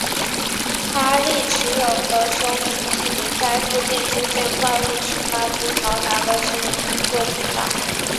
哈利持有的收音机能在附近出现怪物时发出嘈杂的声音以作警告。